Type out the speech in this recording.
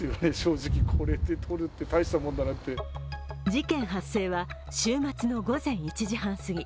事件発生は週末の午前１時半すぎ。